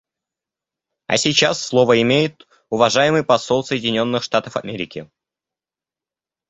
А сейчас слово имеет уважаемый посол Соединенных Штатов Америки.